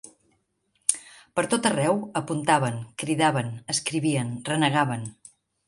Per tot-arreu apuntaven, cridaven, escrivien, renegaven